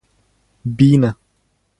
Бина